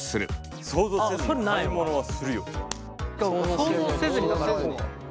想像せずにだからこうか。